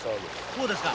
こうですか？